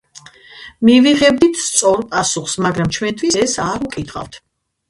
მივიღებდით სწორ პასუხს, მაგრამ ჩვენთვის ეს არ უკითხავთ.